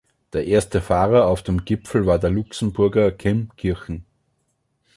Der erste Fahrer auf dem Gipfel war der Luxemburger Kim Kirchen.